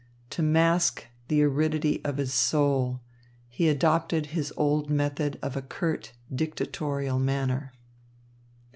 To mask the aridity of his soul, he adopted his old method of a curt, dictatorial manner.